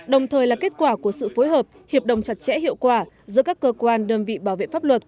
đồng thời là kết quả của sự phối hợp hiệp đồng chặt chẽ hiệu quả giữa các cơ quan đơn vị bảo vệ pháp luật